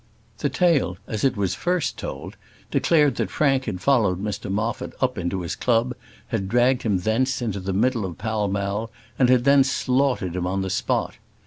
The tale, as it was first told, declared that Frank had followed Mr Moffat up into his club; had dragged him thence into the middle of Pall Mall, and had then slaughtered him on the spot.